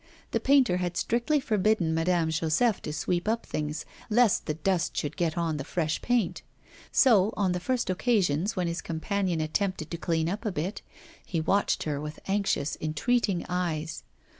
The painter had strictly forbidden Madame Joseph to sweep up things, lest the dust should get on the fresh paint. So, on the first occasions when his companion attempted to clean up a bit, he watched her with anxious entreating eyes.